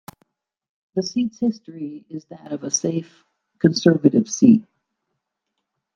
The seat's history is that of a safe Conservative seat.